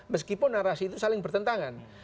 meskipun narasi itu saling bertentangan